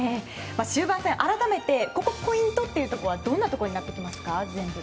終盤戦、改めてここがポイントってところはどんなところになってきますか。